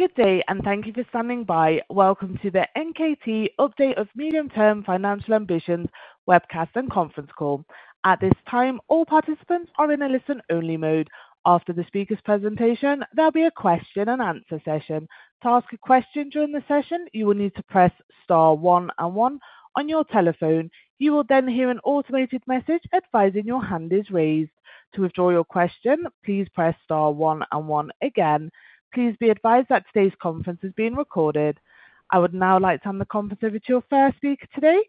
Good day, and thank you for standing by. Welcome to the NKT Update of Medium Term Financial Ambitions Webcast and Conference Call. At this time, all participants are in a listen-only mode. After the speaker's presentation, there'll be a question-and-answer session. To ask a question during the session, you will need to press star one and one on your telephone. You will then hear an automated message advising your hand is raised. To withdraw your question, please press star one and one again. Please be advised that today's conference is being recorded. I would now like to hand the conference over to your first speaker today, NKT's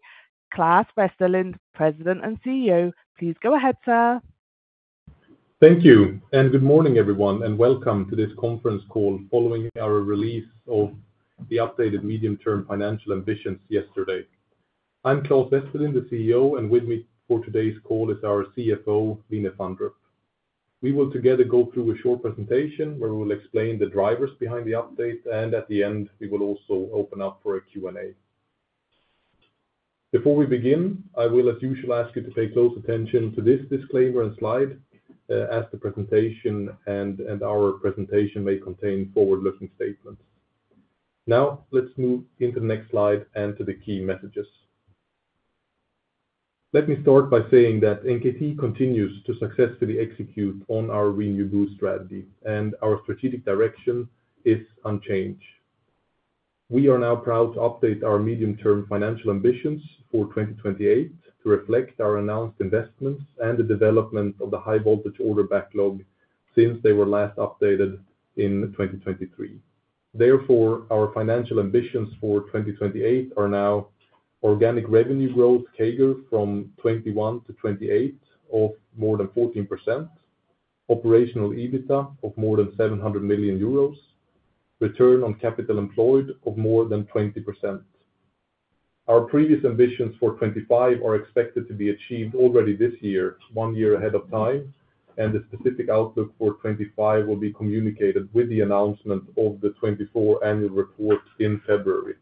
Claes Westerlind, President and CEO. Please go ahead, sir. Thank you, and good morning, everyone, and welcome to this conference call following our release of the updated Medium Term Financial Ambitions yesterday. I'm Claes Westerlind, the CEO, and with me for today's call is our CFO, Line Fandrup. We will together go through a short presentation where we will explain the drivers behind the update, and at the end, we will also open up for a Q&A. Before we begin, I will, as usual, ask you to pay close attention to this disclaimer and slide, as the presentation and our presentation may contain forward-looking statements. Now, let's move into the next slide and to the key messages. Let me start by saying that NKT continues to successfully execute on our renewable strategy, and our strategic direction is unchanged. We are now proud to update our Medium Term Financial Ambitions for 2028 to reflect our announced investments and the development of the high-voltage order backlog since they were last updated in 2023. Therefore, our financial ambitions for 2028 are now organic revenue growth, CAGR from 2021 to 2028 of more than 14%, operational EBITDA of more than 700 million euros, return on capital employed of more than 20%. Our previous ambitions for 2025 are expected to be achieved already this year, one year ahead of time, and the specific outlook for 2025 will be communicated with the announcement of the 2024 annual report in February.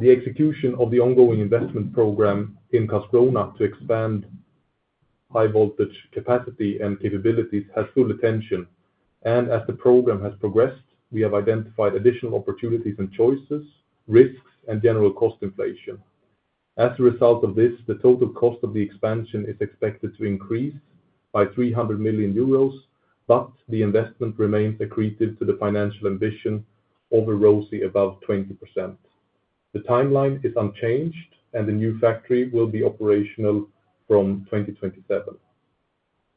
The execution of the ongoing investment program in Karlskrona to expand high-voltage capacity and capabilities has full attention, and as the program has progressed, we have identified additional opportunities and choices, risks, and general cost inflation. As a result of this, the total cost of the expansion is expected to increase by 300 million euros, but the investment remains accretive to the financial ambition, of a RoCE above 20%. The timeline is unchanged, and the new factory will be operational from 2027.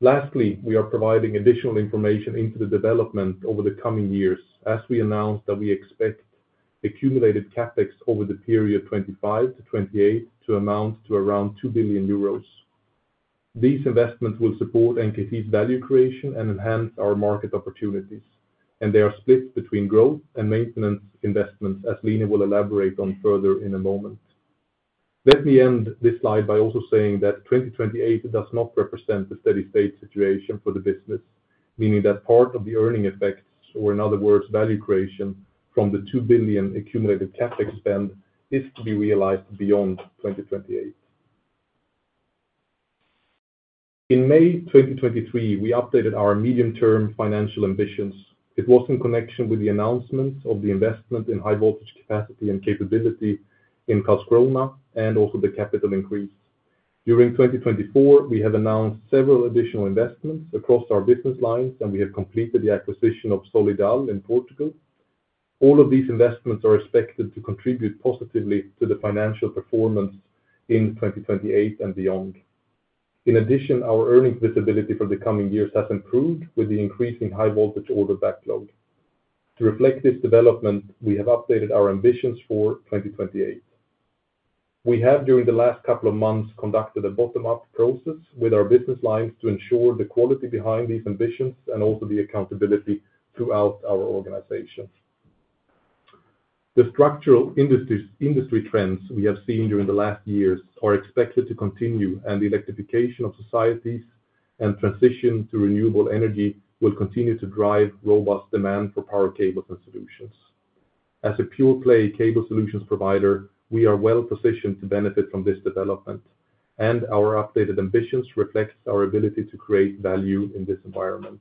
Lastly, we are providing additional information into the development over the coming years, as we announced that we expect accumulated CapEx over the period 2025 to 2028 to amount to around 2 billion euros. These investments will support NKT's value creation and enhance our market opportunities, and they are split between growth and maintenance investments, as Line will elaborate on further in a moment. Let me end this slide by also saying that 2028 does not represent a steady-state situation for the business, meaning that part of the earning effects, or in other words, value creation from the 2 billion accumulated CapEx spend, is to be realized beyond 2028. In May 2023, we updated our Medium Term Financial Ambitions. It was in connection with the announcement of the investment in high-voltage capacity and capability in Karlskrona and also the capital increase. During 2024, we have announced several additional investments across our business lines, and we have completed the acquisition of Solidal in Portugal. All of these investments are expected to contribute positively to the financial performance in 2028 and beyond. In addition, our earnings visibility for the coming years has improved with the increasing high-voltage order backlog. To reflect this development, we have updated our ambitions for 2028. We have, during the last couple of months, conducted a bottom-up process with our business lines to ensure the quality behind these ambitions and also the accountability throughout our organization. The structural industry trends we have seen during the last years are expected to continue, and the electrification of societies and transition to renewable energy will continue to drive robust demand for power cables and Solutions. As a pure-play cable solutions provider, we are well-positioned to benefit from this development, and our updated ambitions reflect our ability to create value in this environment.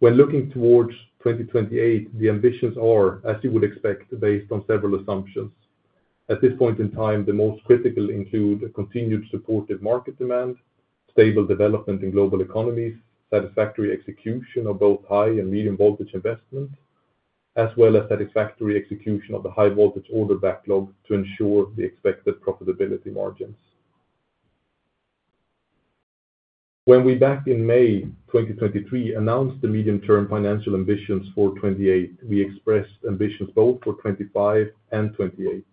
When looking towards 2028, the ambitions are, as you would expect, based on several assumptions. At this point in time, the most critical include continued supportive market demand, stable development in global economies, satisfactory execution of both high- and medium-voltage investment, as well as satisfactory execution of the high-voltage order backlog to ensure the expected profitability margins. When we, back in May 2023, announced the Medium Term Financial Ambitions for 2028, we expressed ambitions both for 2025 and 2028.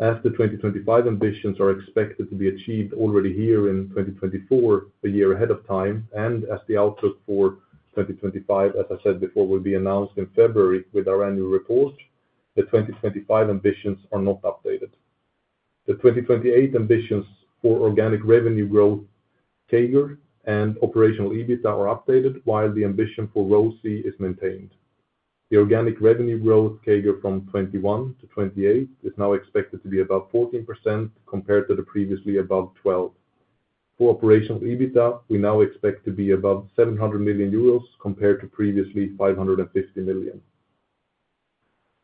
As the 2025 ambitions are expected to be achieved already here in 2024, a year ahead of time, and as the outlook for 2025, as I said before, will be announced in February with our annual report, the 2025 ambitions are not updated. The 2028 ambitions for organic revenue growth, CAGR, and Operational EBITDA are updated, while the ambition for RoCE is maintained. The organic revenue growth, CAGR, from 2021 to 2028 is now expected to be above 14% compared to the previously above 12%. For Operational EBITDA, we now expect to be above 700 million euros compared to previously 550 million.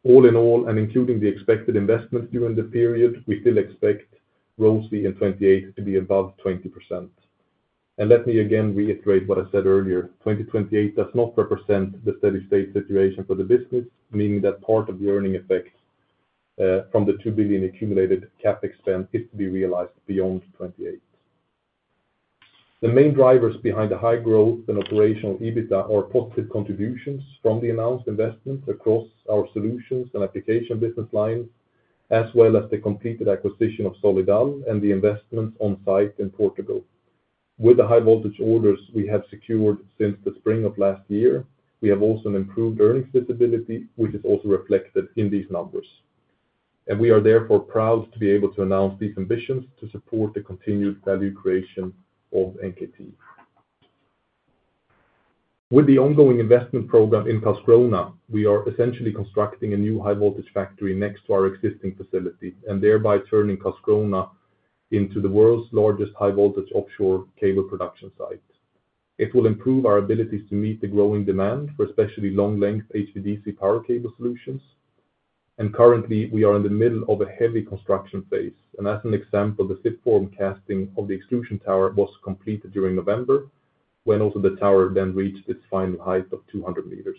All in all, and including the expected investments during the period, we still expect RoCE in 2028 to be above 20%. And let me again reiterate what I said earlier: 2028 does not represent the steady-state situation for the business, meaning that part of the earning effect from the €2 billion accumulated CapEx spend is to be realized beyond 28. The main drivers behind the high growth and Operational EBITDA are positive contributions from the announced investments across our Solutions and Application business lines, as well as the completed acquisition of Solidal and the investments on site in Portugal. With the high-voltage orders we have secured since the spring of last year, we have also improved earnings visibility, which is also reflected in these numbers. And we are therefore proud to be able to announce these ambitions to support the continued value creation of NKT. With the ongoing investment program in Karlskrona, we are essentially constructing a new high-voltage factory next to our existing facility and thereby turning Karlskrona into the world's largest high-voltage offshore cable production site. It will improve our abilities to meet the growing demand for especially long-length HVDC power cable solutions, and currently, we are in the middle of a heavy construction phase, and as an example, the slipform casting of the extrusion tower was completed during November, when also the tower then reached its final height of 200 meters.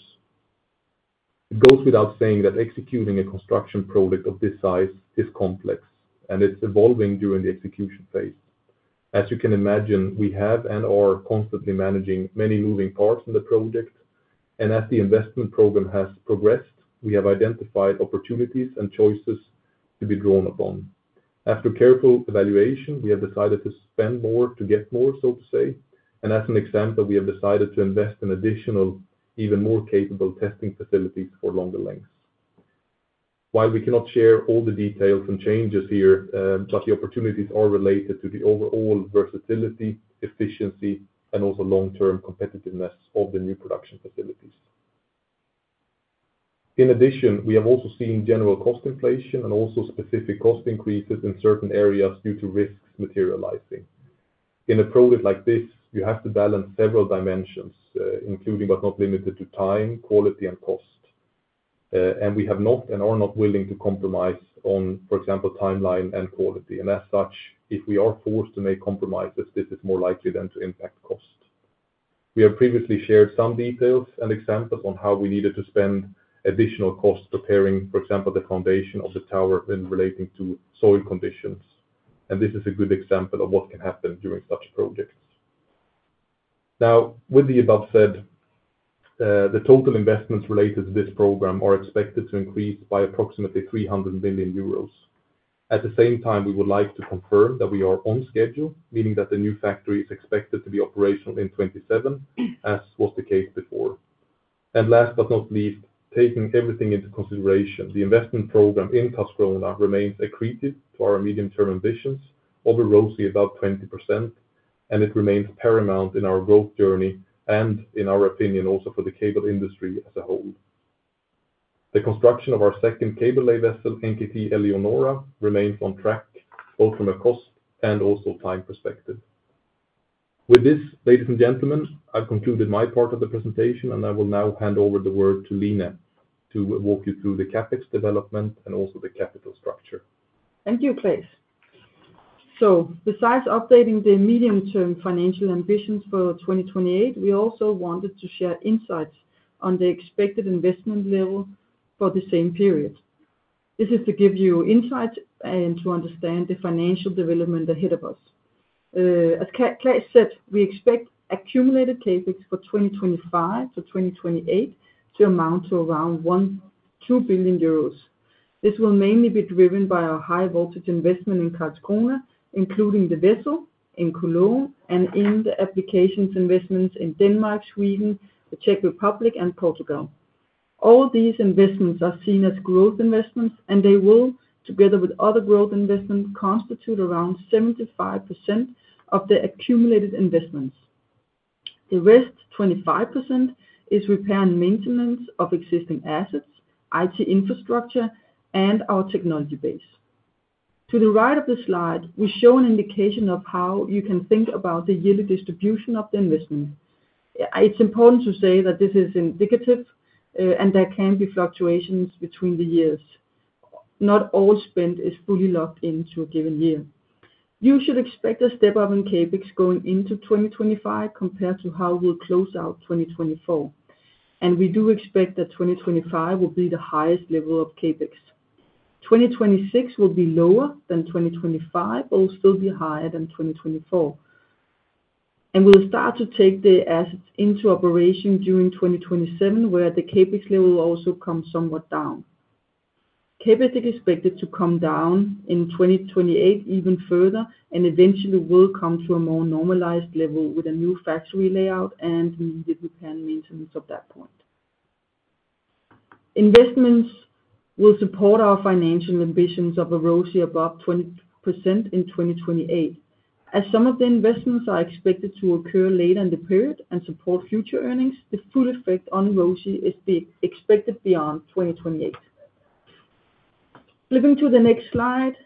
It goes without saying that executing a construction project of this size is complex, and it's evolving during the execution phase. As you can imagine, we have and are constantly managing many moving parts in the project, and as the investment program has progressed, we have identified opportunities and choices to be drawn upon. After careful evaluation, we have decided to spend more to get more, so to say, and as an example, we have decided to invest in additional, even more capable testing facilities for longer lengths. While we cannot share all the details and changes here, but the opportunities are related to the overall versatility, efficiency, and also long-term competitiveness of the new production facilities. In addition, we have also seen general cost inflation and also specific cost increases in certain areas due to risks materializing. In a project like this, you have to balance several dimensions, including but not limited to time, quality, and cost, and we have not and are not willing to compromise on, for example, timeline and quality, and as such, if we are forced to make compromises, this is more likely than to impact cost. We have previously shared some details and examples on how we needed to spend additional costs preparing, for example, the foundation of the tower when relating to soil conditions, and this is a good example of what can happen during such projects. Now, with the above said, the total investments related to this program are expected to increase by approximately 300 million euros. At the same time, we would like to confirm that we are on schedule, meaning that the new factory is expected to be operational in 2027, as was the case before. And last but not least, taking everything into consideration, the investment program in Karlskrona remains accretive to our Medium Term Ambitions of a RoCE above 20%, and it remains paramount in our growth journey and, in our opinion, also for the cable industry as a whole. The construction of our second cable-lay vessel, NKT Eleonora, remains on track, both from a cost and also time perspective. With this, ladies and gentlemen, I've concluded my part of the presentation, and I will now hand over the word to Line to walk you through the CapEx development and also the capital structure. Thank you, Claes. So besides updating the Medium Term Financial Ambitions for 2028, we also wanted to share insights on the expected investment level for the same period. This is to give you insights and to understand the financial development ahead of us. As Claes said, we expect accumulated CapEx for 2025 to 2028 to amount to around 2 billion euros. This will mainly be driven by our high-voltage investment in Karlskrona, including the vessel in Cologne and in the Applications investments in Denmark, Sweden, the Czech Republic, and Portugal. All these investments are seen as growth investments, and they will, together with other growth investments, constitute around 75% of the accumulated investments. The rest 25% is repair and maintenance of existing assets, IT infrastructure, and our technology base. To the right of the slide, we show an indication of how you can think about the yearly distribution of the investment. It's important to say that this is indicative, and there can be fluctuations between the years. Not all spend is fully locked into a given year. You should expect a step-up in CapEx going into 2025 compared to how we'll close out 2024. And we do expect that 2025 will be the highest level of CapEx 2026 will be lower than 2025, but will still be higher than 2024. And we'll start to take the assets into operation during 2027, where the CapEx level also comes somewhat down. CapEx is expected to come down in 2028 even further and eventually will come to a more normalized level with a new factory layout and immediate repair and maintenance at that point. Investments will support our financial ambitions of a RoCE above 20% in 2028. As some of the investments are expected to occur later in the period and support future earnings, the full effect on RoCE is expected beyond 2028. Flipping to the next slide,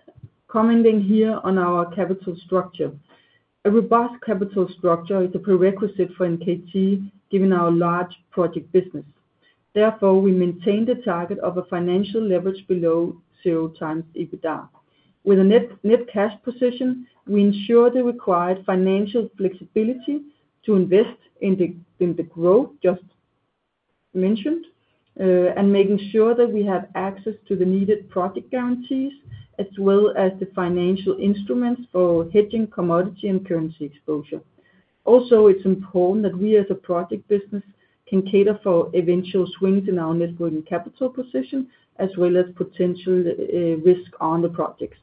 commenting here on our capital structure. A robust capital structure is a prerequisite for NKT, given our large project business. Therefore, we maintain the target of a financial leverage below zero times EBITDA. With a net net cash position, we ensure the required financial flexibility to invest in the growth just mentioned and making sure that we have access to the needed project guarantees, as well as the financial instruments for hedging commodity and currency exposure. Also, it's important that we as a project business can cater for eventual swings in our working capital position, as well as potential risk on the projects.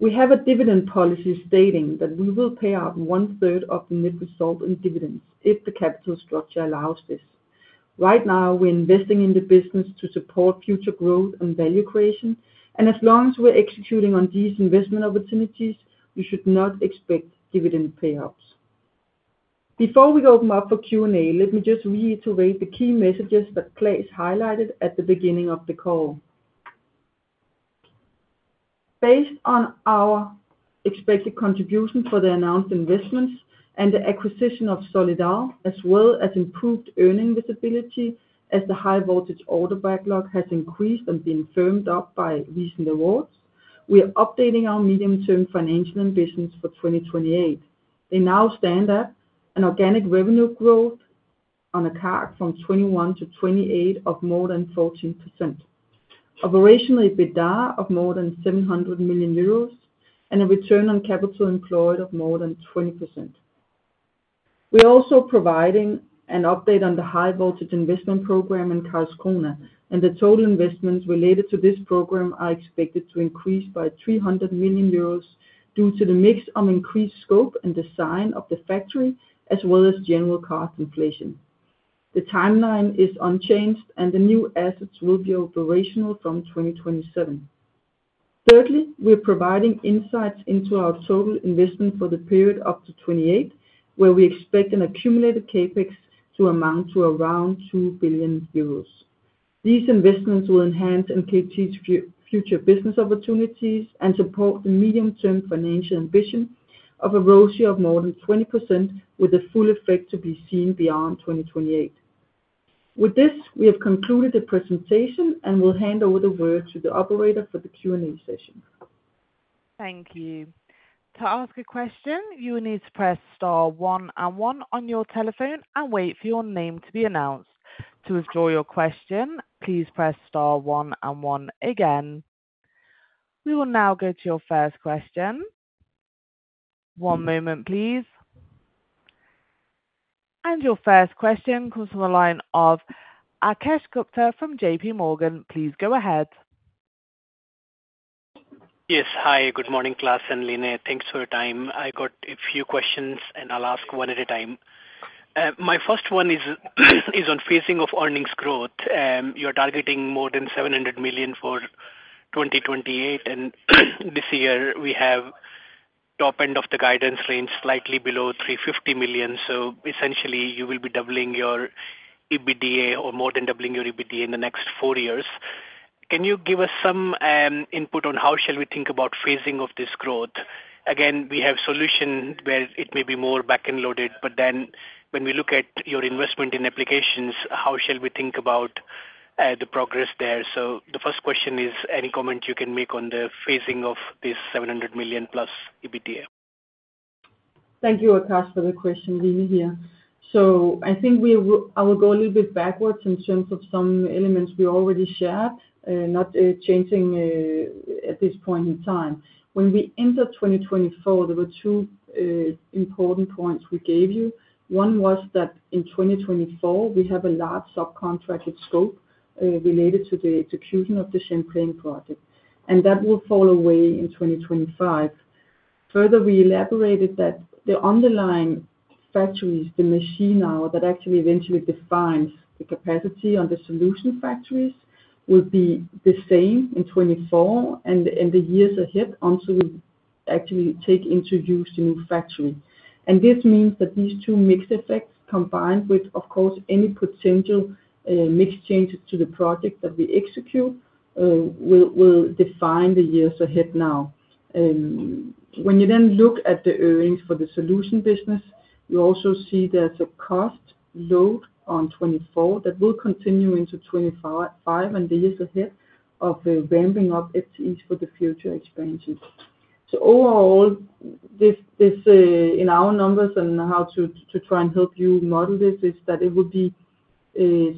We have a dividend policy stating that we will pay out one-third of the net result in dividends if the capital structure allows this. Right now, we're investing in the business to support future growth and value creation, and as long as we're executing on these investment opportunities, you should not expect dividend payouts. Before we open up for Q&A, let me just reiterate the key messages that Claes highlighted at the beginning of the call. Based on our expected contribution for the announced investments and the acquisition of Solidal, as well as improved earnings visibility as the high-voltage order backlog has increased and been firmed up by recent awards, we are updating our Medium Term Financial Ambitions for 2028. They now stand at an organic revenue growth on a CAGR from 2021 to 2028 of more than 14%, operational EBITDA of more than 700 million euros, and a return on capital employed of more than 20%. We are also providing an update on the high-voltage investment program in Karlskrona, and the total investments related to this program are expected to increase by 300 million euros due to the mix of increased scope and design of the factory, as well as general cost inflation. The timeline is unchanged, and the new assets will be operational from 2027. Thirdly, we are providing insights into our total investment for the period up to 2028, where we expect an accumulated CapEx to amount to around 2 billion euros. These investments will enhance NKT's future business opportunities and support the Medium Term Financial Ambition of a RoCE of more than 20%, with the full effect to be seen beyond 2028. With this, we have concluded the presentation and will hand over the word to the operator for the Q&A session. Thank you. To ask a question, you need to press star one and one on your telephone and wait for your name to be announced. To withdraw your question, please press star one and one again. We will now go to your first question. One moment, please. And your first question comes from the line of Akash Gupta from J.P. Morgan. Please go ahead. Yes. Hi, good morning, Claes and Line. Thanks for your time. I got a few questions, and I'll ask one at a time. My first one is on phasing of earnings growth. You're targeting more than 700 million for 2028, and this year we have top end of the guidance range slightly below 350 million. So essentially, you will be doubling your EBITDA or more than doubling your EBITDA in the next four years. Can you give us some input on how shall we think about phasing of this growth? Again, we have Solutions where it may be more back-end loaded, but then when we look at your investment in Applications, how shall we think about the progress there? So the first question is, any comment you can make on the phasing of this 700 million plus EBITDA? Thank you, Akash, for the question, Line here. So I think we will go a little bit backwards in terms of some elements we already shared, not changing at this point in time. When we entered 2024, there were two important points we gave you. One was that in 2024, we have a large subcontracted scope related to the execution of the Champlain project, and that will fall away in 2025. Further, we elaborated that the underlying factories, the machine hour that actually eventually defines the capacity on the Solutions factories will be the same in 2024 and in the years ahead until we actually take into use the new factory. And this means that these two mixed effects combined with, of course, any potential mixed changes to the project that we execute will define the years ahead now. When you then look at the earnings for the Solutions business, you also see there's a cost load on 2024 that will continue into 2025 and the years ahead of ramping up FTEs for the future expansion. So overall, this to say in our numbers and how to try and help you model this, it's that it will be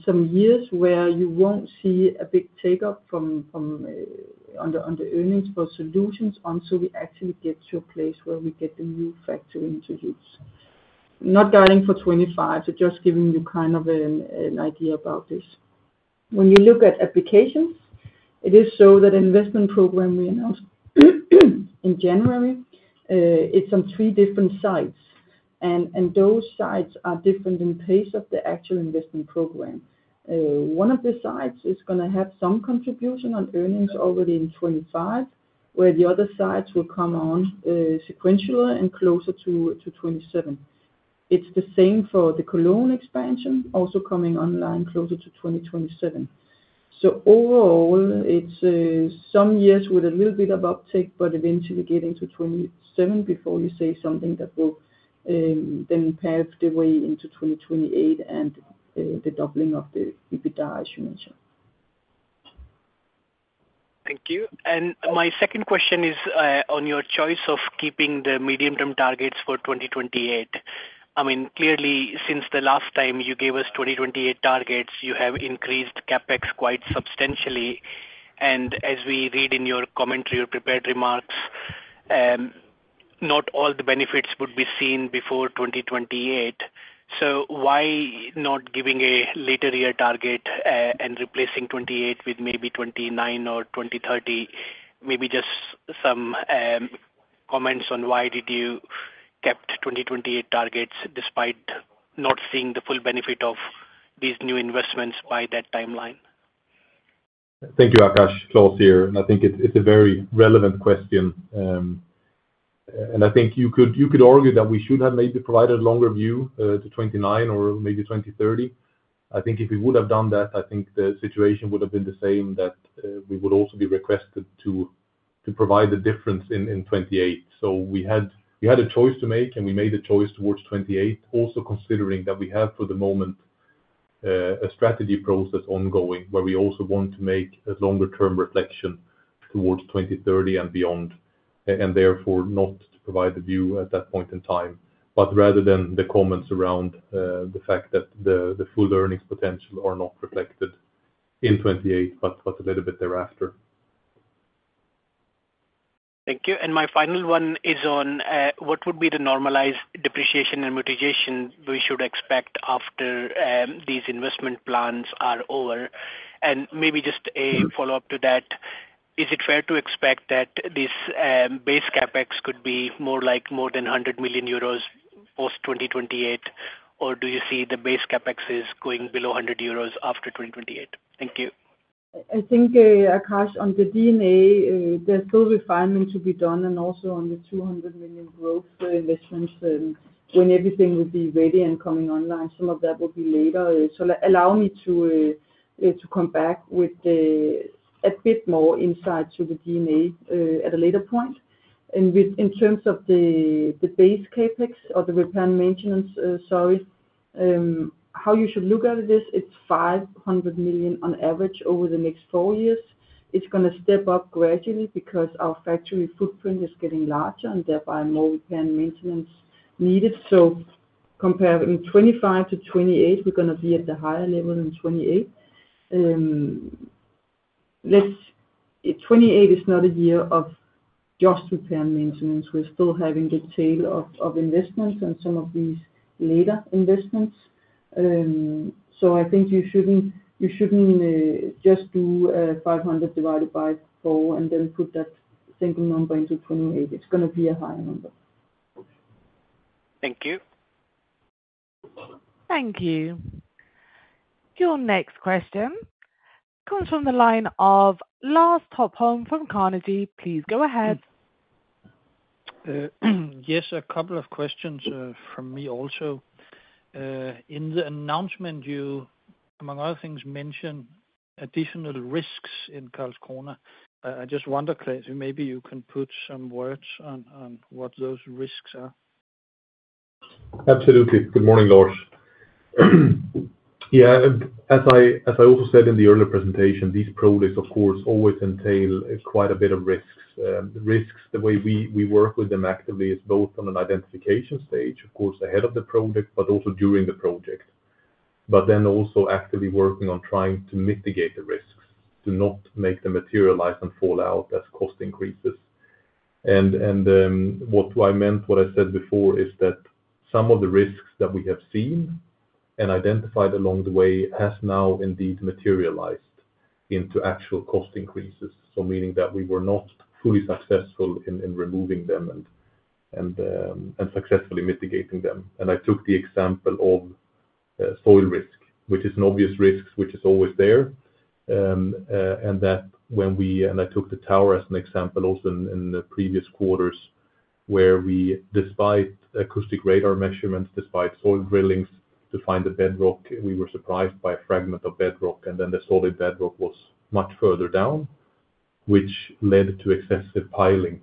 some years where you won't see a big take-up on the earnings for Solutions until we actually get to a place where we get the new factory into use. Not guiding for 2025, so just giving you kind of an idea about this. When you look at Applications, it is so that the investment program we announced in January, it's on three different sites, and those sites are different in pace of the actual investment program. One of the sites is gonna have some contribution on earnings already in 2025, where the other sites will come on sequentially and closer to 2027. It's the same for the Cologne expansion, also coming online closer to 2027. So overall, it's some years with a little bit of uptake, but eventually getting to 2027 before you say something that will then pave the way into 2028 and the doubling of the EBITDA, as you mentioned. Thank you. And my second question is on your choice of keeping the medium-term targets for 2028. I mean, clearly, since the last time you gave us 2028 targets, you have increased CapEx quite substantially. And as we read in your commentary or prepared remarks, not all the benefits would be seen before 2028. So why not giving a later year target and replacing 28 with maybe 29 or 2030? Maybe just some comments on why did you kept 2028 targets despite not seeing the full benefit of these new investments by that timeline? Thank you, Akash. Claes here. I think it's a very relevant question. And I think you could you could argue that we should have maybe provided a longer view to 2029 or maybe 2030. I think if we would have done that, I think the situation would have been the same that we would also be requested to provide the difference in 2028. So we had a choice to make, and we made a choice towards 2028, also considering that we have for the moment a strategy process ongoing where we also want to make a longer-term reflection towards 2030 and beyond, and therefore not to provide the view at that point in time, but rather than the comments around the fact that the full earnings potential are not reflected in 2028, but a little bit thereafter. Thank you. And my final one is on what would be the normalized depreciation and mitigation we should expect after these investment plans are over. And maybe just a follow-up to that, is it fair to expect that this base CapEx could be more like, more than 100 million euros post 2028, or do you see the base CapEx is going below 100 million euros after 2028? Thank you. I think, Akash, on the D&A, there's still refinement to be done and also on the 200 million growth investments. When everything will be ready and coming online, some of that will be later. So allow me to come back with a bit more insight to the D&A at a later point. And in terms of the base CapEx or the repair and maintenance, sorry, how you should look at this, it's 500 million on average over the next four years. It's going to step up gradually because our factory footprint is getting larger and thereby more repair and maintenance needed. So comparing 2025 to 2028, we're gonna be at the higher level in 2028. 2028 is not a year of just repair and maintenance. We're still having the tail of investments and some of these later investments. So I think you shouldn't just do 500 divided by four and then put that single number into 28. It's going to be a higher number. Thank you. Thank you. Your next question comes from the line of Lars Topholm from Carnegie. Please go ahead. Yes, a couple of questions from me also. In the announcement, you, among other things, mentioned additional risks in Karlskrona. I just wonder, Claes, maybe you can put some words on what those risks are? Absolutely. Good morning, Lars. Yeah, as I also said in the earlier presentation, these projects, of course, always entail quite a bit of risks. The risks, the way we work with them actively, is both on an identification stage, of course, ahead of the project, but also during the project, but then also actively working on trying to mitigate the risks to not make them materialize and fall out as cost increases. And and what do I meant, what I said before, is that some of the risks that we have seen and identified along the way have now indeed materialized into actual cost increases, so meaning that we were not fully successful in removing them and successfully mitigating them. And I took the example of soil risk, which is an obvious risk, which is always there, and that when we and I took the tower as an example also in the previous quarters where we, despite acoustic radar measurements, despite soil drillings to find the bedrock, we were surprised by a fragment of bedrock, and then the solid bedrock was much further down, which led to excessive piling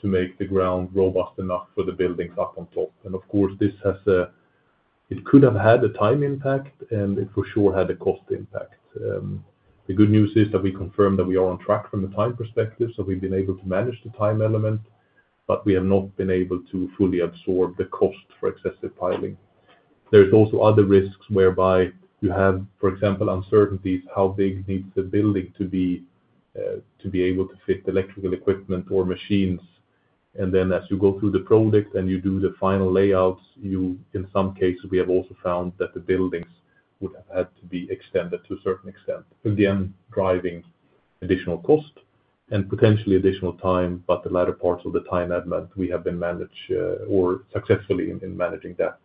to make the ground robust enough for the buildings up on top. And of course, this has a, it could have had a time impact, and it for sure had a cost impact. The good news is that we confirmed that we are on track from the time perspective, so we've been able to manage the time element, but we have not been able to fully absorb the cost for excessive piling. There's also other risks whereby you have, for example, uncertainties how big needs the building to be to be able to fit electrical equipment or machines, and then as you go through the project and you do the final layouts, you—in some cases, we have also found that the buildings would have had to be extended to a certain extent, again driving additional cost and potentially additional time, but the latter parts of the time element, we have been managed or successfully in managing that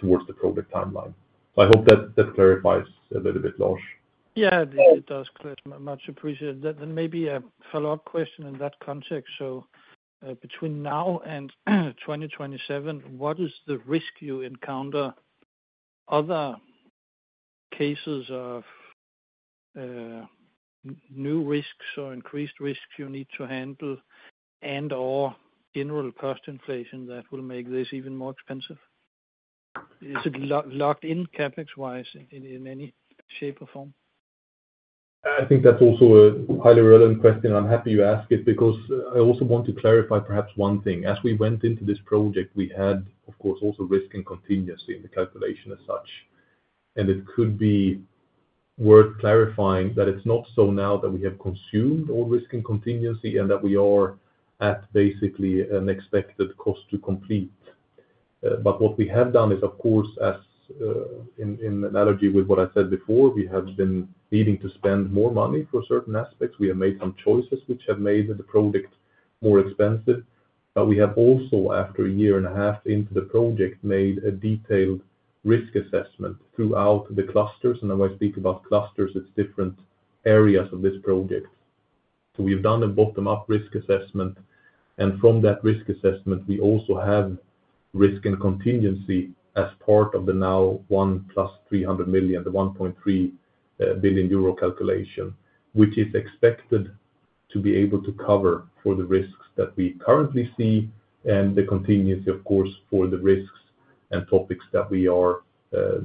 towards the project timeline. So I hope that that clarifies a little bit, Lars. Yeah, it does clear. Much appreciated. Then maybe a follow-up question in that context. So between now and 2027, what is the risk you encounter, other cases of new risks or increased risks you need to handle and/or general cost inflation that will make this even more expensive? Is it locked in CapEx-wise in any shape or form? I think that's also a highly relevant question, and I'm happy you ask it because I also want to clarify perhaps one thing. As we went into this project, we had, of course, also risk and contingency in the calculation as such, and it could be worth clarifying that it's not so now that we have consumed all risk and contingency and that we are at basically an expected cost to complete. But what we have done is, of course, as in analogy with what I said before, we have been needing to spend more money for certain aspects. We have made some choices which have made the project more expensive, but we have also, after a year and a half into the project, made a detailed risk assessment throughout the clusters. And when I speak about clusters, it's different areas of this project. And so we've done a bottom-up risk assessment, and from that risk assessment, we also have risk and contingency as part of the now one plus 300 million, the 1.3 billion euro calculation, which is expected to be able to cover for the risks that we currently see and the contingency, of course, for the risks and topics that we are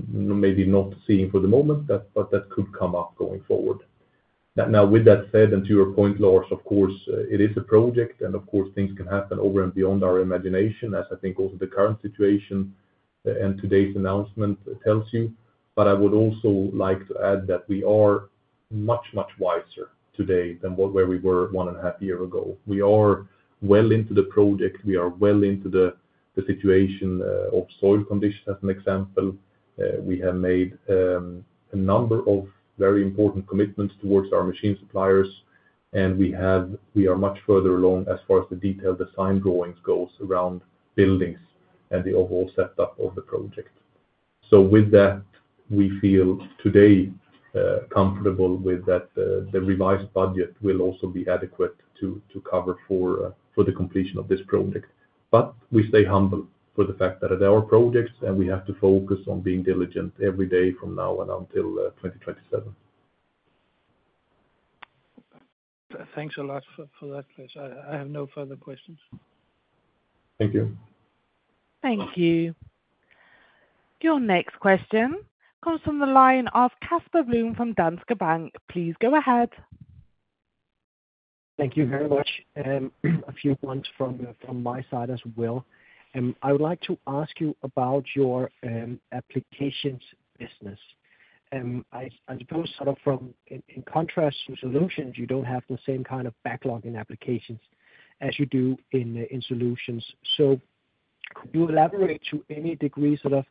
maybe not seeing for the moment, but that could come up going forward. Now, with that said, and to your point, Lars, of course, it is a project, and of course, things can happen over and beyond our imagination, as I think also the current situation and today's announcement tells you. But I would also like to add that we are much, much wiser today than where we were one and a half years ago. We are well into the project. We are well into the situation of soil conditions, as an example. We have made a number of very important commitments towards our machine suppliers, and we have we are much further along as far as the detailed design drawings goes around buildings and the overall setup of the project. So with that, we feel today comfortable with that the revised budget will also be adequate to cover for the completion of this project. But we stay humble for the fact that at our projects, and we have to focus on being diligent every day from now and until 2027. Thanks a lot for that, Claes. I have no further questions. Thank you. Thank you. Your next question comes from the line of Casper Blom from Danske Bank. Please go ahead. Thank you very much. And a few ones from my side as well. And I would like to ask you about your Applications business. And I suppose sort of in contrast to Solutions, you don't have the same kind of backlog in Applications as you do in Solutions. So could you elaborate to any degree sort of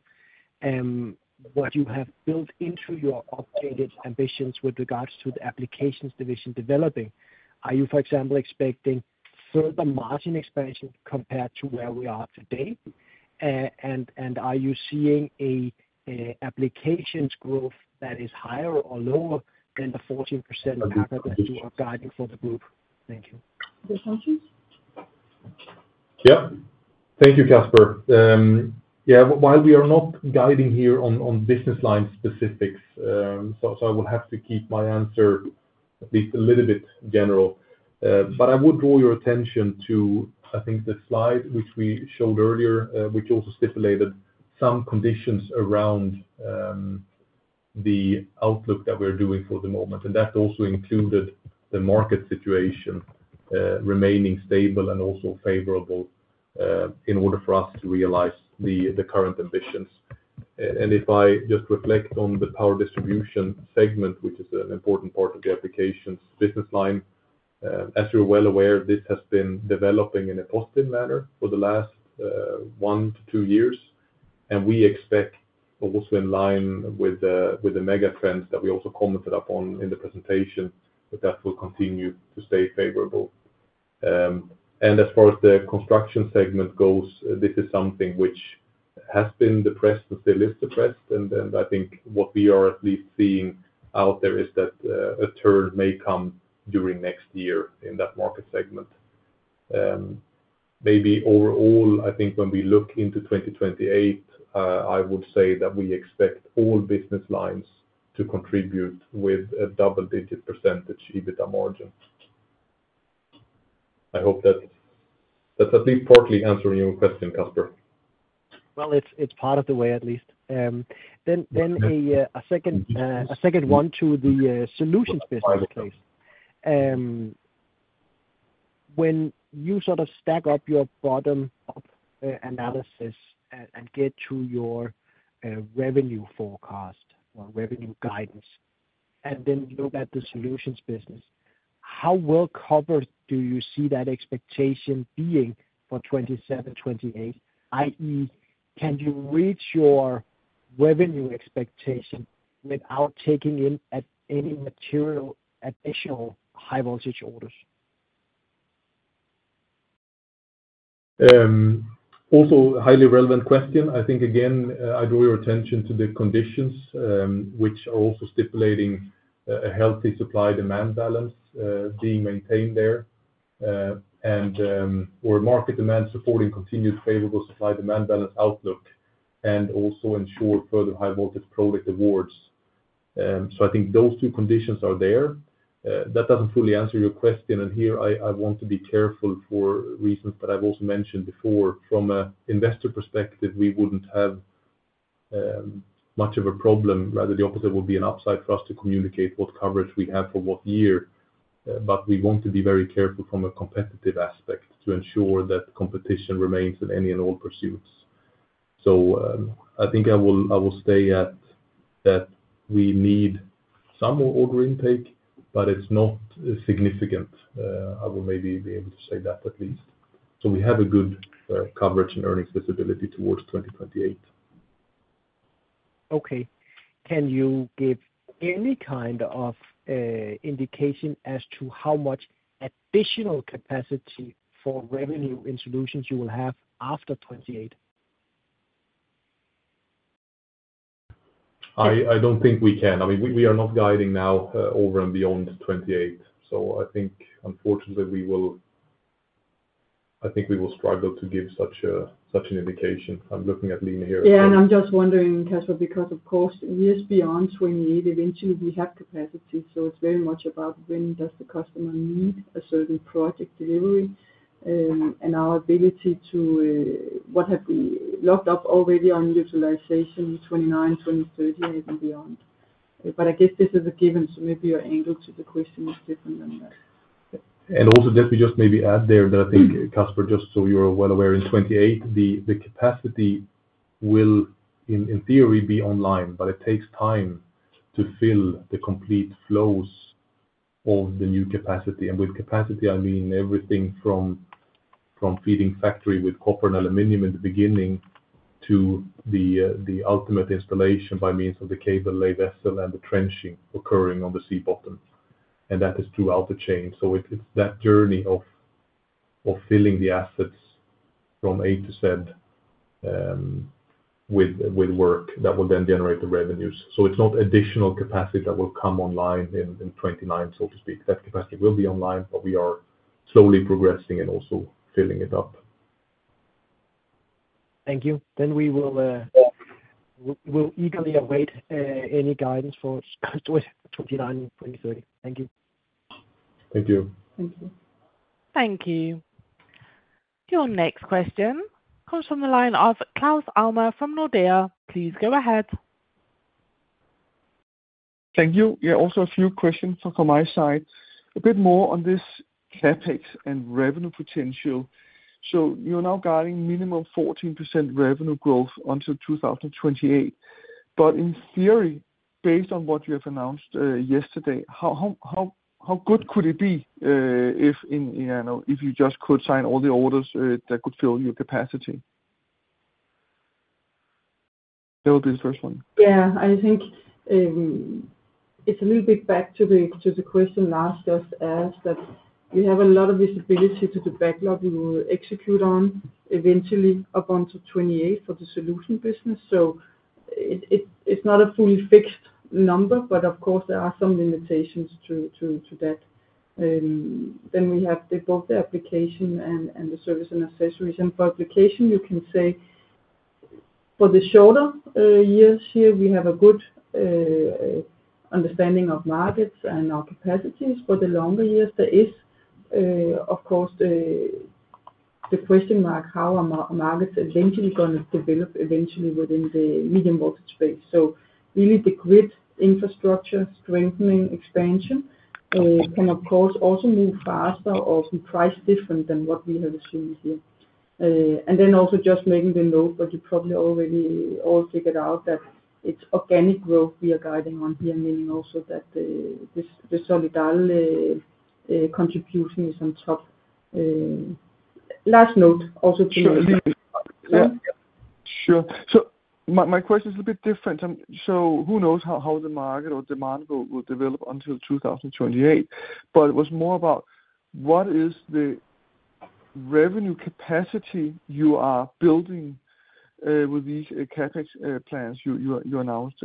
what you have built into your updated ambitions with regards to the Applications division developing? Are you, for example, expecting further margin expansion compared to where we are today? And and are you seeing an Applications growth that is higher or lower than the 14% mark that you are guiding for the group? Thank you. Yeah. Thank you, Casper. Yeah, while we are not guiding here on business line specifics, so I will have to keep my answer at least a little bit general. But I would draw your attention to, I think, the slide which we showed earlier, which also stipulated some conditions around the outlook that we're doing for the moment. And that also included the market situation remaining stable and also favorable in order for us to realize the current ambitions. And if I just reflect on the power distribution segment, which is an important part of the Applications business line, as you're well aware, this has been developing in a positive manner for the last one to two years. And we expect also in line with the mega trends that we also commented upon in the presentation that that will continue to stay favorable. And and as far as the construction segment goes, this is something which has been depressed and still is depressed. And I, I think what we are at least seeing out there is that a turn may come during next year in that market segment. Maybe overall, I think when we look into 2028, I would say that we expect all business lines to contribute with a double-digit % EBITDA margin. I hope that's at least partly answering your question, Casper. It's part of the way at least. Then then a second one to the solutions business, Claes. When you sort of stack up your bottom-up analysis and get to your revenue forecast or revenue guidance, and then look at the solutions business, how well covered do you see that expectation being for 2027, 2028? i.e., can you reach your revenue expectation without taking in any material additional high-voltage orders? Also a highly relevant question. I think, again, I draw your attention to the conditions which are also stipulating a healthy supply-demand balance being maintained there and or market demand supporting continued favorable supply-demand balance outlook and also ensure further high-voltage product awards. So I think those two conditions are there. That doesn't fully answer your question. And here, I want to be careful for reasons that I've also mentioned before. From an investor perspective, we wouldn't have much of a problem. Rather, the opposite would be an upside for us to communicate what coverage we have for what year. But we want to be very careful from a competitive aspect to ensure that competition remains in any and all pursuits. So I think I will stay at that we need some order intake, but it's not significant. I will maybe be able to say that at least. So we have a good coverage and earnings visibility towards 2028. Okay. Can you give any kind of indication as to how much additional capacity for revenue in solutions you will have after 2028? I don't think we can. I mean, we are not guiding now over and beyond 28. So I think, unfortunately, we will, I think we will struggle to give such a such an indication. I'm looking at Line here. Yeah, and I'm just wondering, Casper, because, of course, years beyond 2028, eventually we have capacity. So it's very much about when does the customer need a certain project delivery and our ability to, what have we locked up already on utilization in 2029, 2030 and beyond? But I guess this is a given, so maybe your angle to the question is different than that. And also just maybe add there that I think, Casper, just so you're well aware, in 2028, the capacity will, in theory, be online, but it takes time to fill the complete flows of the new capacity. And with capacity, I mean everything from from feeding factory with copper and aluminum in the beginning to the the ultimate installation by means of the cable lay vessel and the trenching occurring on the sea bottom. And that is throughout the chain. So it's that journey of filling the assets from A to Z with with work that will then generate the revenues. So it's not additional capacity that will come online in 2029, so to speak. That capacity will be online, but we are slowly progressing and also filling it up. Thank you. Then we will eagerly await any guidance for 2029, 2030. Thank you. Thank you. Thank you. Thank you. Your next question comes from the line of Claus Almer from Nordea. Please go ahead. Thank you. Yeah, also a few questions from my side. A bit more on this CapEx and revenue potential. So you're now guiding minimum 14% revenue growth until 2028. But in theory, based on what you have announced yesterday, how how good could it be if you know if you just could sign all the orders that could fill your capacity? That would be the first one. Yeah. I think it's a little bit back to the question last just asked that we have a lot of visibility to the backlog we will execute on eventually up until 2028 for the Solution business. So it's not a fully fixed number, but of course, there are some limitations to that. Then we have both the Application and the Service and accessories. And for Application, you can say for the shorter years here, we have a good understanding of markets and our capacities. For the longer years, there is, of course, the question mark, how are markets eventually going to develop eventually within the medium-voltage space? So really, the grid infrastructure strengthening, expansion can, of course, also move faster or price different than what we have assumed here. And then also just making the note, but you probably already all figured out that it's organic growth we are guiding on here, meaning also that the Solidal contribution is on top. Last note also to me. Sure. So my question is a little bit different. I am sure who knows how the market or demand will develop until 2028? But it was more about what is the revenue capacity you are building with these CapEx plans you announced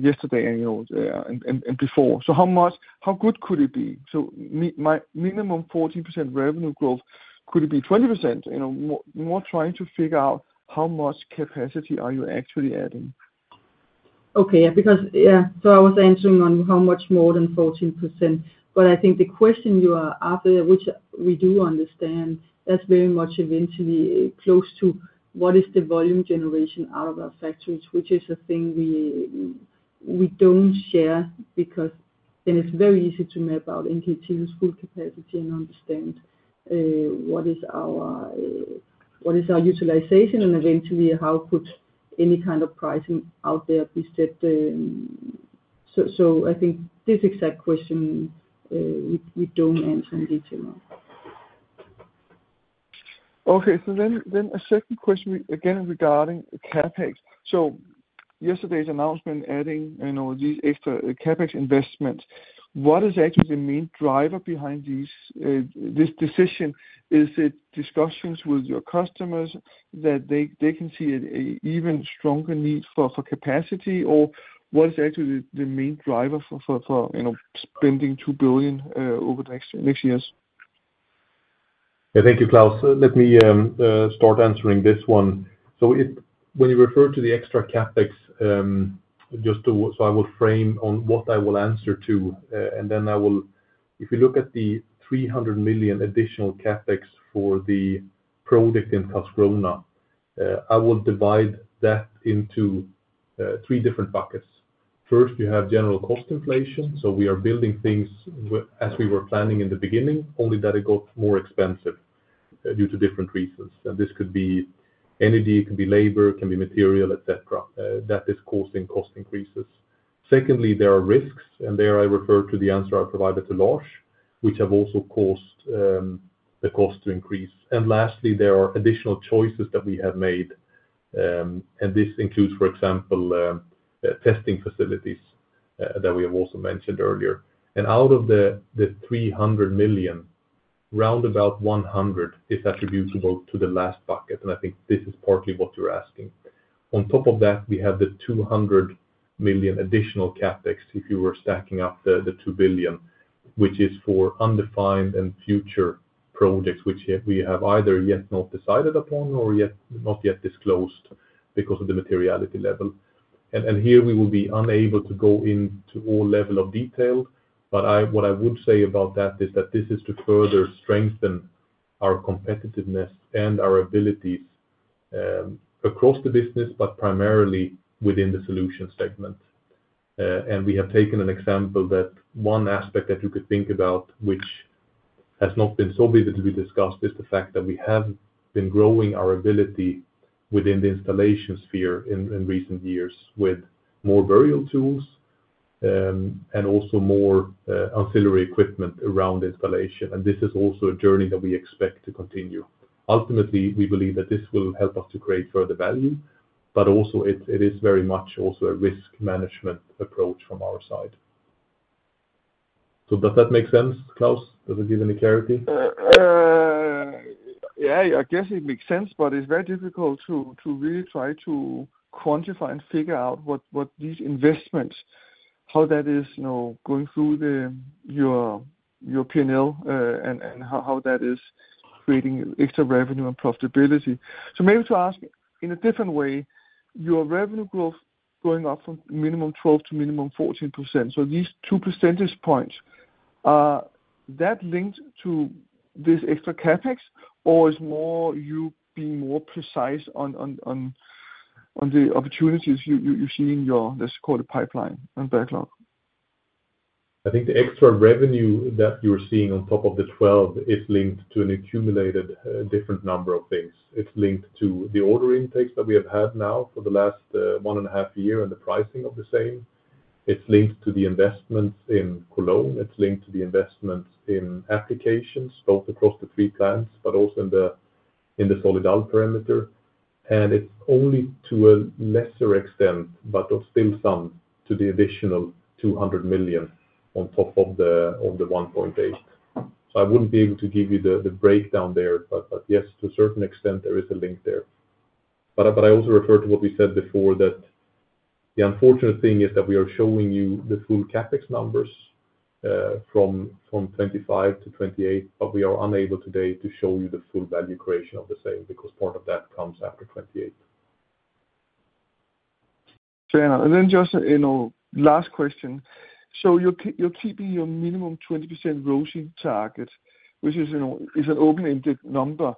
yesterday and before. So how much how good could it be? So minimum 14% revenue growth, could it be 20% you know? More trying to figure out how much capacity are you actually adding. Okay. Yeah because, so I was answering on how much more than 14%. But I think the question you are after, which we do understand, that's very much eventually close to what is the volume generation out of our factories, which is a thing we don't share because then it's very easy to map out NKT's full capacity and understand what is our what is our utilization and eventually how could any kind of pricing out there be set. So so I think this exact question we don't answer in detail. Okay. So then a second question again regarding CapEx. So yesterday's announcement adding you know these extra CapEx investments, what is actually the main driver behind this decision? Is it discussions with your customers that they can see an even stronger need for capacity, or what is actually the main driver for you know spending 2 billion over the next years? Yeah. Thank you, Claus. Let me start answering this one, so when you refer to the extra CapEx, just to so I will frame on what I will answer to, and then I'll if you look at the 300 million additional CapEx for the project in Karlskrona, I will divide that into three different buckets. First, you have general cost inflation, so we are building things as we were planning in the beginning, only that it got more expensive due to different reasons. And this could be energy, it could be labor, it can be material, et cetera, that is causing cost increases. Secondly, there are risks, and there I refer to the answer I provided to Lars, which have also caused the cost to increase. And lastly, there are additional choices that we have made. And this includes, for example, testing facilities that we have also mentioned earlier. And out of the the 300 million, round about 100 million is attributable to the last bucket. I think this is partly what you're asking. On top of that, we have the 200 million additional CapEx if you were stacking up the 2 billion, which is for undefined and future projects which we have either yet not decided upon or not yet disclosed because of the materiality level. And here we will be unable to go into all level of detail. But I would, I would say about that is that this is to further strengthen our competitiveness and our abilities across the business, but primarily within the solution segment. And we have taken an example that one aspect that you could think about, which has not been so vividly discussed, is the fact that we have been growing our ability within the installation sphere in recent years with more burial tools and also more ancillary equipment around installation. And this is also a journey that we expect to continue. Ultimately, we believe that this will help us to create further value, but also it is very much also a risk management approach from our side. So does that make sense, Claus? Does it give any clarity? Yeah, I guess it makes sense, but it's very difficult to to really try to quantify and figure out what these investments, how that is know going through the you know your P&L and how that is creating extra revenue and profitability. So maybe to ask in a different way, your revenue growth going up from minimum 12% to minimum 14%. So these two percentage points, are that linked to this extra CapEx or is more you being more precise on the opportunities you see in your, let's call it, pipeline and backlog? I think the extra revenue that you're seeing on top of the 12 is linked to an accumulated different number of things. It's linked to the order intakes that we have had now for the last one and a half year and the pricing of the same. It's linked to the investments in Cologne. It's linked to the investments in Applications both across the three plants, but also in the in the Solidal perimeter, and it's only to a lesser extent, but still some to the additional 200 million on top of the 1.8 million, so I wouldn't be able to give you the breakdown there, but yes, to a certain extent, there is a link there. But I also refer to what we said before that the unfortunate thing is that we are showing you the full CapEx numbers from 2025 to 2028, but we are unable today to show you the full value creation of the same because part of that comes after 2028. Fair enough. And then just you know last question. So you're keeping your minimum 20% growth target, which is an open-ended number.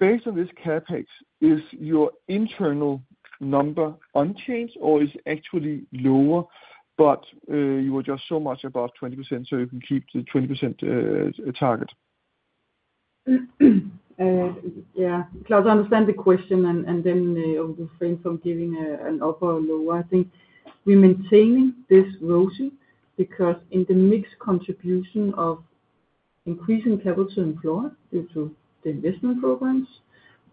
Based on this CapEx, is your internal number unchanged or it's actually lower, but you are just so much above 20% so you can keep the 20% target? Yeah. Claus, I understand the question and then we'll refrain from giving an upper or lower. I think we're maintaining this growth because in the mix contribution of increasing capital employed due to the investment programs,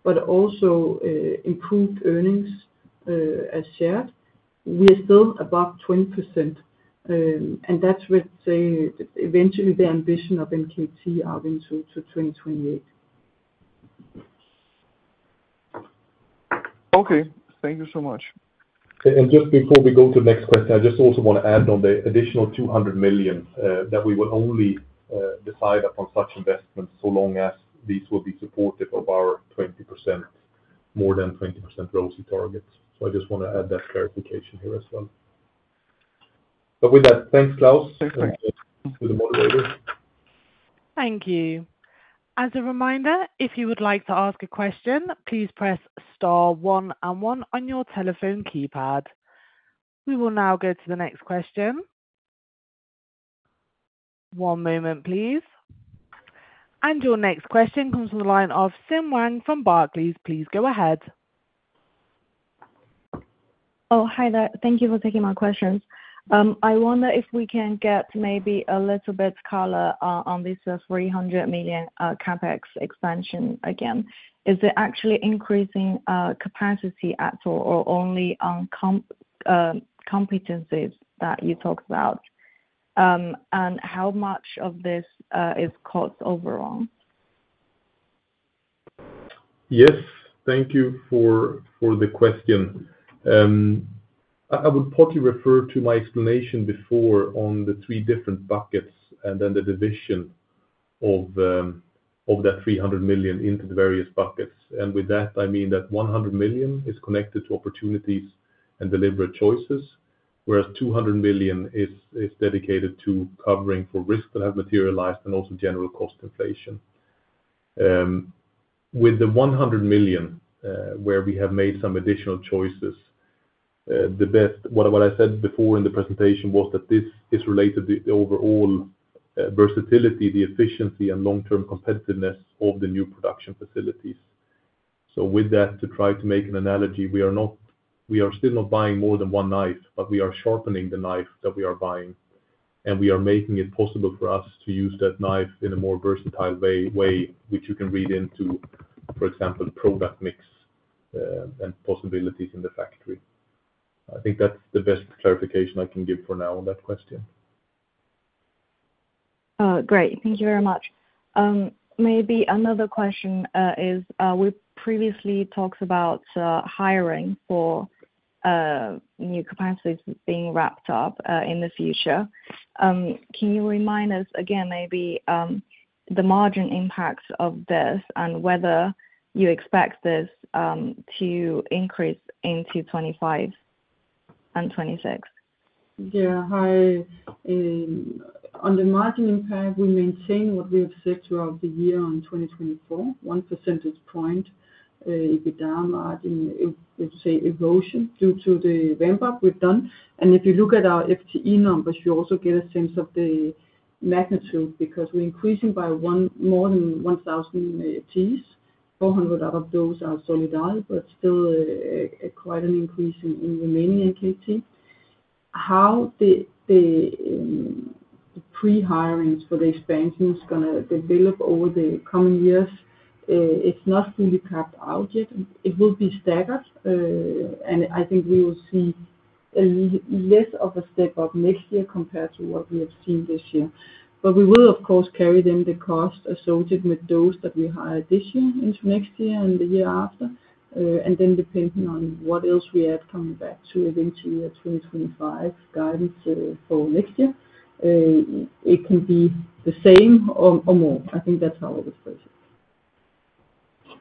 but also improved earnings as shared, we are still above 20%. And that's what eventually the ambition of NKT are into 2028. Okay. Thank you so much. And just before we go to the next question, I just also want to add on the additional 200 million that we will only decide upon such investments so long as these will be supportive of our 20%, more than 20% growth targets. So I just want to add that clarification here as well. But with that, thanks, Claus. Thanks for that. To the moderator. Thank you. As a reminder, if you would like to ask a question, please press star one and one on your telephone keypad. We will now go to the next question. One moment, please, and your next question comes from the line of Xin Wang from Barclays. Please go ahead. Oh, hi, there. Thank you for taking my questions. I wonder if we can get maybe a little bit color on this 300 million CapEx expansion again. Is it actually increasing capacity at all or only competencies that you talked about? And how much of this is cost overall? Yes. Thank you for the question. I would partly refer to my explanation before on the three different buckets and then the division of the of that 300 million into the various buckets. And with that, I mean that 100 million is connected to opportunities and deliberate choices, whereas 200 million is dedicated to covering for risks that have materialized and also general cost inflation. With the 100 million, where we have made some additional choices, what I said before in the presentation was that this is related to the overall versatility, the efficiency, and long-term competitiveness of the new production facilities. So with that, to try to make an analogy, we are not we are still not buying more than one knife, but we are sharpening the knife that we are buying. And we are making it possible for us to use that knife in a more versatile way, which you can read into, for example, product mix and possibilities in the factory. I think that's the best clarification I can give for now on that question. Great. Thank you very much. Maybe another question is we previously talked about hiring for new capacities being wrapped up in the future. Can you remind us again maybe the margin impacts of this and whether you expect this to increase into 2025 and 2026? Yeah, hi. On the margin impact, we maintain what we have said throughout the year on 2024, 1 percentage point. If you down margin, let's say, erosion due to the ramp-up we've done. And if you look at our FTE numbers, you also get a sense of the magnitude because we're increasing by more than 1,000 FTEs. 400 out of those are Solidal, but still quite an increase in remaining NKT. How the pre-hirings for the expansion is gonna develop over the coming years, it's not fully carved out yet. It will be staggered. And I think we will see less of a step up next year compared to what we have seen this year. So we will, of course, carry then the cost associated with those that we hire this year into next year and the year after. And then, depending on what else we add, coming back to eventually at 2025 guidance for next year, it can be the same or more. I think that's how I would phrase it.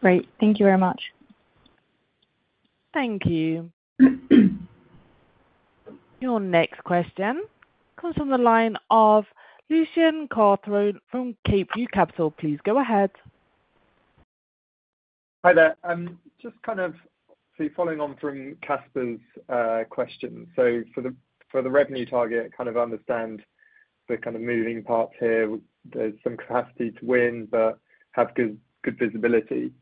Great. Thank you very much. Thank you. Your next question comes from the line of Lucian Cawthron from CapeView Capital. Please go ahead. Hi there. Just kind of following on from Casper's question. So for for the revenue target, kind of understand the kind of moving parts here. There's some capacity to win, but have good visibility.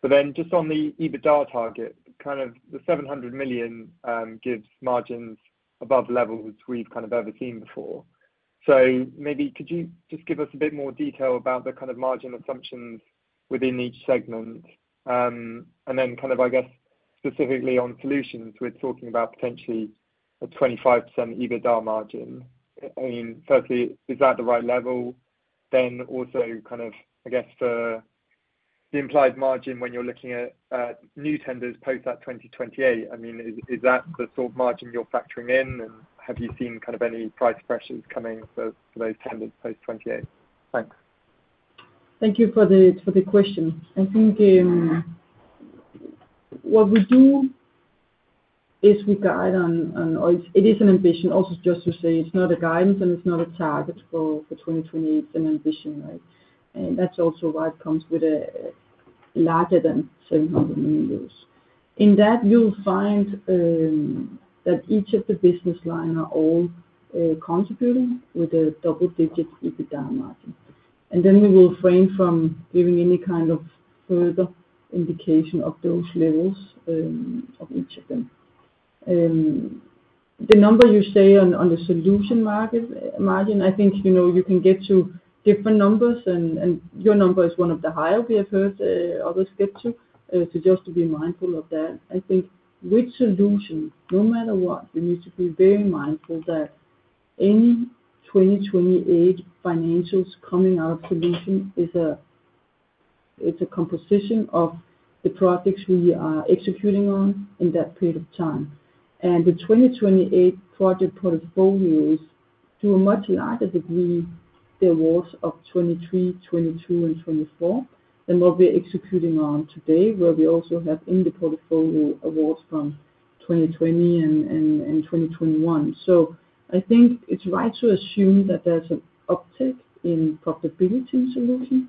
But then just on the EBITDA target, kind of the 700 million gives margins above levels we've kind of ever seen before. So maybe could you just give us a bit more detail about the kind of margin assumptions within each segment? And then kind of, I guess, specifically on solutions, we're talking about potentially a 25% EBITDA margin. I mean, firstly, is that the right level? Then also kind of, I guess, for the implied margin when you're looking at new tenders post that 2028, I mean, is that the sort of margin you're factoring in? And then have you seen kind of any price pressures coming for those tenders post 2028? Thanks. Thank you for the question. I think what we do is we guide on, or it is an ambition. Also, just to say, it's not a guidance and it's not a target for 2028. It's an ambition, right? And that's also why it comes with a larger than 700 million. In that, you'll find that each of the business lines are all contributing with a double-digit EBITDA margin. And then we will refrain from giving any kind of further indication of those levels of each of them. The number you say on the solution margin, I think you know you can get to different numbers, and your number is one of the higher we have heard others get to. Just to be mindful of that, I think with Solutions, no matter what, we need to be very mindful that any 2028 financials coming out of Solutions is a is a composition of the projects we are executing on in that period of time. And the 2028 project portfolios to a much larger degree the awards of 2023, 2023, and 2024 and what we're executing on today, where we also have in the portfolio awards from 2020 and 2021. So, I think it's right to assume that there's an uptick in profitability in Solutions.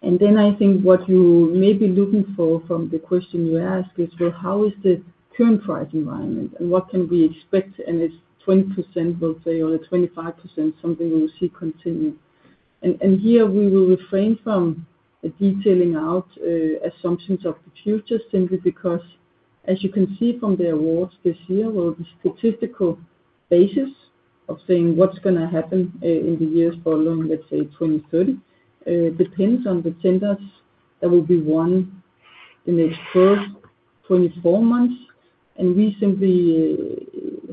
And then I think what you may be looking for from the question you ask is, well, how is the current price environment and what can we expect? And it's 20%, we'll say, or the 25%, something we will see continue. And here we will refrain from detailing out assumptions of the future simply because, as you can see from the awards this year, well, the statistical basis of saying what's gonna happen in the years following, let's say, 2030, depends on the tenders that will be won the next 12, 24 months. And we simply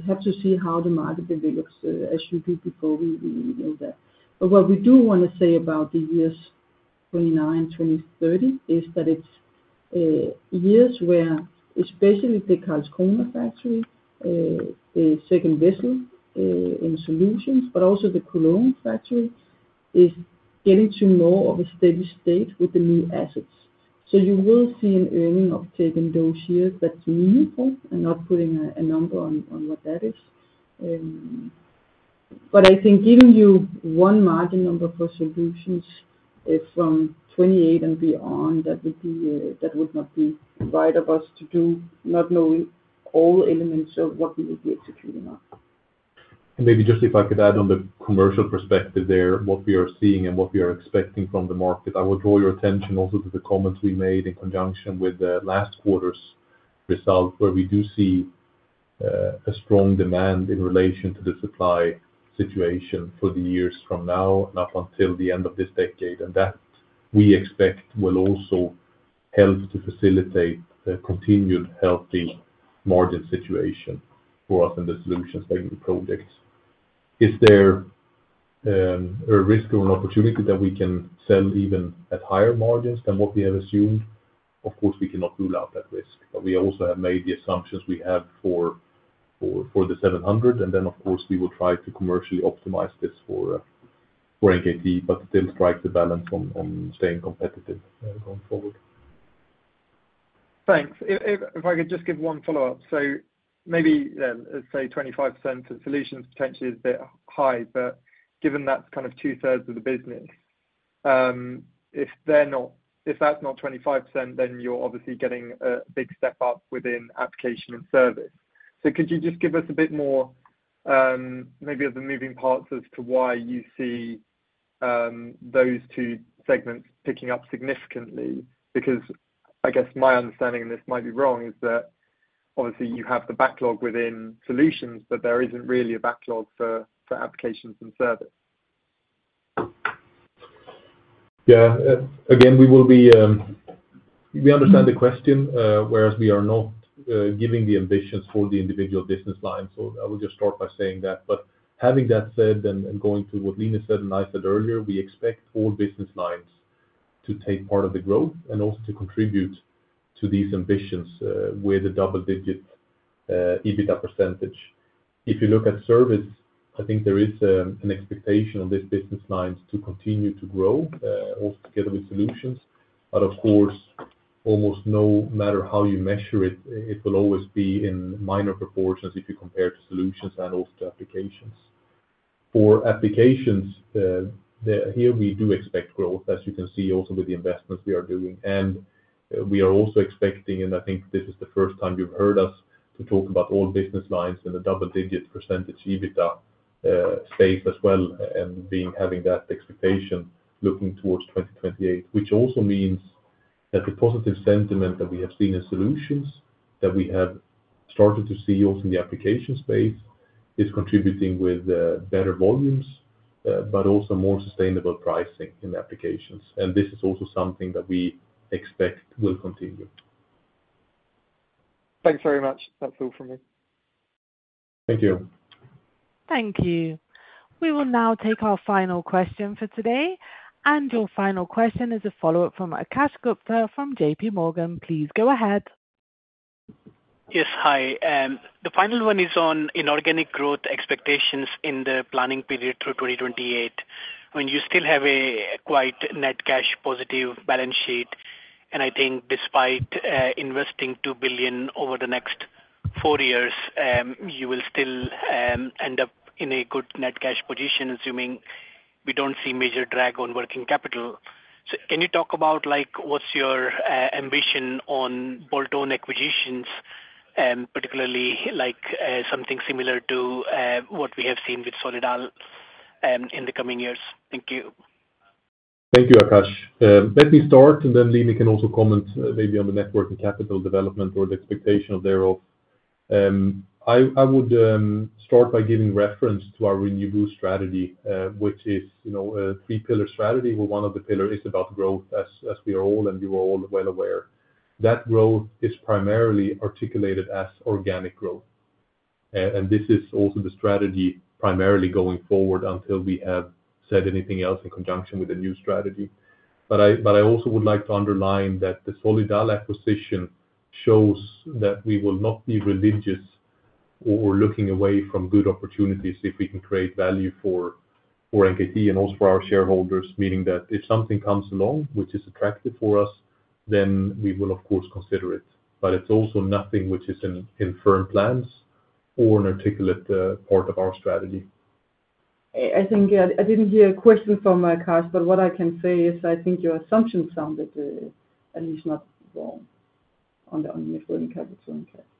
have to see how the market develops, as you do, before we know that. But what we do want to say about the years 2029, 2030 is that it's years where, especially the Karlskrona factory, the second vessel in Solutions, but also the Cologne factory is getting to more of a steady state with the new assets. So you will see an earnings uptake in those years that's meaningful. I'm not putting a number on what that is. But I think giving you one margin number for solutions from 2028 and beyond, that would be a that would not be right of us to do, not knowing all elements of what we will be executing on. And maybe just if I could add on the commercial perspective there, what we are seeing and what we are expecting from the market. I will draw your attention also to the comments we made in conjunction with last quarter's result, where we do see a strong demand in relation to the supply situation for the years from now and up until the end of this decade. And that we expect will also help to facilitate a continued healthy margin situation for us in the Solutions-taking projects. Is there a risk or an opportunity that we can sell even at higher margins than what we have assumed? Of course, we cannot rule out that risk, but we also have made the assumptions we have for the 700 million. And then of course, we will try to commercially optimize this for NKT, but still strike the balance on staying competitive going forward. Thanks. If I could just give one follow-up. So maybe then, let's say 25% for Solutions potentially is a bit high, but given that's kind of two-thirds of the business, if that's not if that's not 25%, then you're obviously getting a big step up within Application and Service. So could you just give us a bit more maybe of the moving parts as to why you see those two segments picking up significantly? Because I guess my understanding, and this might be wrong, is that obviously you have the backlog within Solutions, but there isn't really a backlog for Applications and Service. Yeah. Again, we will be we understand the question, whereas we are not giving the ambitions for the individual business lines. So I will just start by saying that. But having that said and going to what Line said and I said earlier, we expect all business lines to take part of the growth and also to contribute to these ambitions with a double-digit EBITDA %. If you look at service, I think there is an expectation on these business lines to continue to grow, also together with Solutions. But of course, almost no matter how you measure it, it will always be in minor proportions if you compare to Solutions and also to Applications. For Applications, here we do expect growth, as you can see also with the investments we are doing. And we are also expecting, and I think this is the first time you've heard us, to talk about all business lines in the double-digit % EBITDA space as well and being having that expectation looking towards 2028, which also means that the positive sentiment that we have seen in Solutions that we have started to see also in the Application space is contributing with better volumes, but also more sustainable pricing in Applications, and this is also something that we expect will continue. Thanks very much. That's all from me. Thank you. Thank you. We will now take our final question for today. And your final question is a follow-up from Akash Gupta from J.P. Morgan. Please go ahead. Yes, hi. The final one is on inorganic growth expectations in the planning period through 2028, when you still have a quite net cash positive balance sheet. And I think despite investing 2 billion over the next four years, you will still end up in a good net cash position, assuming we don't see major drag on working capital. So can you talk about like what's your ambition on bolt-on acquisitions, particularly something similar to what we have seen with Solidal in the coming years? Thank you. Thank you, Akash. Let me start, and then Line can also comment maybe on the working capital development or the expectation thereof. I would start by giving reference to our renewable strategy, which is you know a three-pillar strategy, where one of the pillars is about growth, as we are all and you are all well aware. That growth is primarily articulated as organic growth. And this is also the strategy primarily going forward until we have said anything else in conjunction with the new strategy. But I but I also would like to underline that the Solidal acquisition shows that we will not be religious or looking away from good opportunities if we can create value for NKT and also for our shareholders, meaning that if something comes along which is attractive for us, then we will, of course, consider it. But it's also nothing which is in firm plans or an integral part of our strategy. I think I didn't hear a question from Akash, but what I can say is I think your assumption sounded at least not wrong on the inorganic capital impact. Thank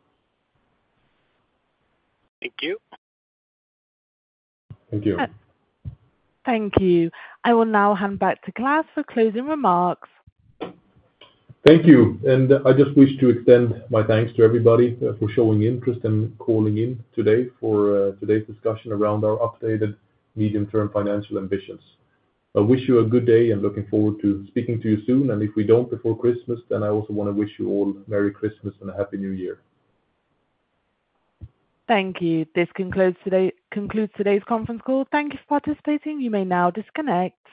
you. Thank you. Thank you. I will now hand back to Claes for closing remarks. Thank you. And I just wish to extend my thanks to everybody for showing interest and calling in today for today's discussion around our updated medium-term financial ambitions. I wish you a good day and looking forward to speaking to you soon. And if we don't before Christmas, then I also want to wish you all Merry Christmas and a Happy New Year. Thank you. This concludes today's concludes today's conference call. Thank you for participating. You may now disconnect.